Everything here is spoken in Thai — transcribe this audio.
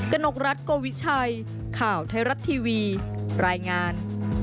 กนกรัฐโกวิชัยข่าวไทยรัฐทีวีรายงาน